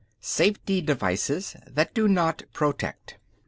Safety devices that do not protect.